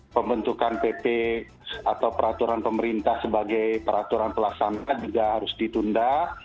pembentukan pp atau peraturan pemerintah sebagai peraturan pelaksana juga harus ditunda